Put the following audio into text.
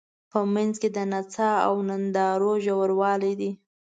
په منځ کې د نڅا او نندارو ژورغالی دی.